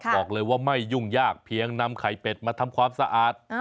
บอกเลยว่าไม่ยุ่งยากเพียงนำไข่เป็ดมาทำความสะอาด